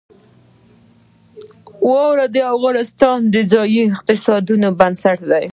واوره د افغانستان د ځایي اقتصادونو بنسټ دی.